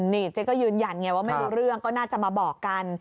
นี่เจ๊ก็ยืนยันไงว่าไม่รู้เรื่องก็น่าจะมาบอกกัน